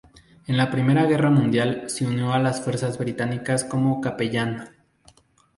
En la Primera Guerra Mundial se unió a las Fuerzas Británicas como capellán.